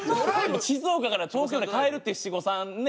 静岡から東京に帰るっていう七五三ね。